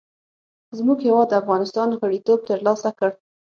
زموږ هېواد افغانستان غړیتوب تر لاسه کړ.